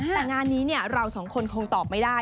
แต่งานนี้เราสองคนคงตอบไม่ได้